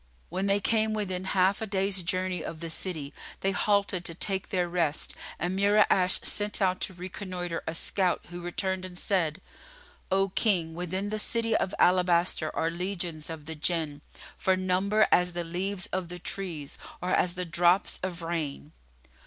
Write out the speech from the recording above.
When they came within half a day's journey of the city, they halted to take their rest, and Mura'ash sent out to reconnoitre a scout who returned and said, "O King, within the City of Alabaster are legions of the Jinn, for number as the leaves of the trees or as the drops of rain."